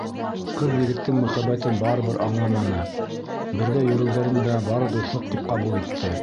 Ҡыҙ егеттең мөхәббәтен барыбер аңламаны, бергә йөрөүҙәрен дә бары дуҫлыҡ тип ҡабул итте.